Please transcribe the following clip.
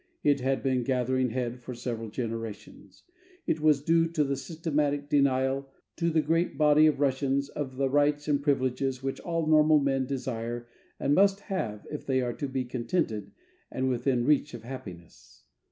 It had been gathering head for several generations. It was due to the systematic denial to the great body of Russians of the rights and privileges which all normal men desire and must have if they are to be contented and within reach of happiness.